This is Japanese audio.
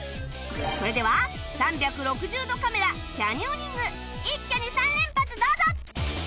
それでは３６０度カメラキャニオニング一挙に３連発どうぞ！